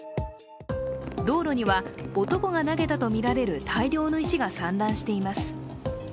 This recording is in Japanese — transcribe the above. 道路には男が投げたとみられる大量の石が散乱しています。